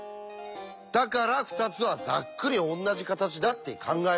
だから２つはざっくりおんなじ形だって考えるんです。